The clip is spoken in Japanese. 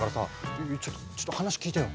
いやいやちょっとちょっと話聞いてよ。